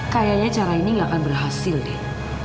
kayaknya cara ini gak akan berhasil deh